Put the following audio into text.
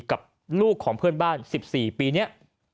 กับลูกของเพื่อนบ้าน๑๔ปีนี้